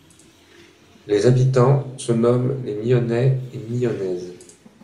Les habitants se nomment les Myonnais et Myonnaises.